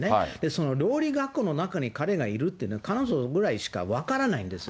その料理学校の中に彼がいるっていうのは、彼女ぐらいしか分からないんです。